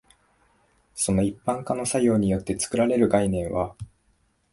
その一般化の作用によって作られる概念は、